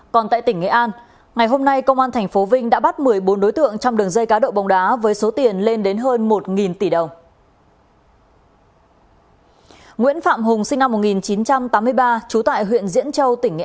còn tại tỉnh nghệ an ngày hôm nay công an tp vinh đã bắt một mươi bốn đối tượng trong đường dịch